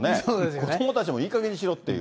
子どもたちもいいかげんにしろっていう。